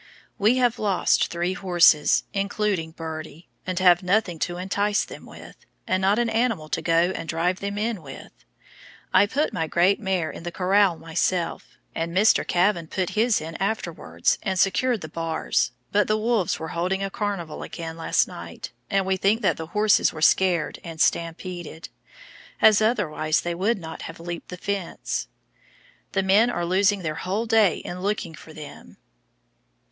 We have lost three horses, including Birdie, and have nothing to entice them with, and not an animal to go and drive them in with. I put my great mare in the corral myself, and Mr. Kavan put his in afterwards and secured the bars, but the wolves were holding a carnival again last night, and we think that the horses were scared and stampeded, as otherwise they would not have leaped the fence. The men are losing their whole day in looking for them.